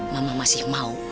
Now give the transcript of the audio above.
mama masih mau